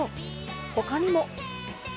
他にも。